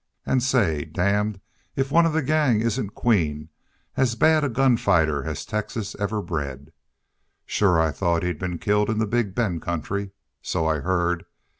... An', say, damn if one of that gang isn't Queen, as bad a gun fighter as Texas ever bred. Shore I thought he'd been killed in the Big Bend country. So I heard....